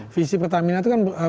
visi pertamina itu kan